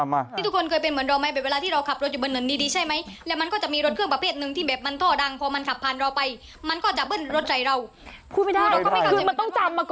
มีทุกคนเคยเป็นเหมือนเราไหม